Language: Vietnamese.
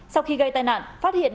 sau khi gây tai nạn phát hiện